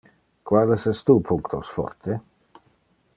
Quales es tu punctos forte?